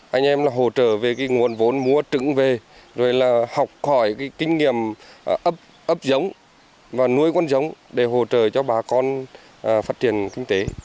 anh em là hỗ trợ về cái nguồn vốn mua trứng về rồi là học hỏi cái kinh nghiệm ấp giống và nuôi con giống để hỗ trợ cho bà con phát triển kinh tế